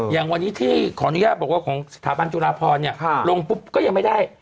อย่างวันนี้ที่ขออนุญาตบอกว่าของสถาบันจุฬาพรลงปุ๊บก็ยังไม่ได้